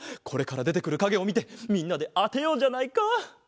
これからでてくるかげをみてみんなであてようじゃないか。